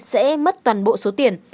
sẽ mất toàn bộ số tiền